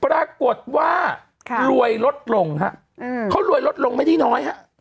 ปรากฏว่ารวยลดลงฮะเขารวยลดลงไม่ได้น้อยฮะ